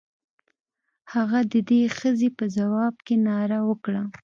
هغه د دې ښځې په ځواب کې ناره وکړه.